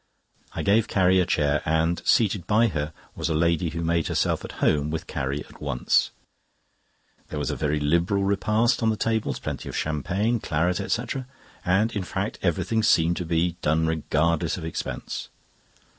I gave Carrie a chair, and seated by her was a lady who made herself at home with Carrie at once. There was a very liberal repast on the tables, plenty of champagne, claret, etc., and, in fact, everything seemed to be done regardless of expense.